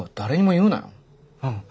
うん。